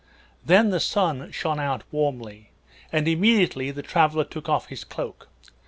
Then the Sun shined out warmly, and immediately the traveler took off his cloak.